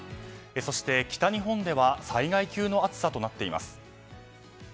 そして北日本では災害級の暑さとなっています。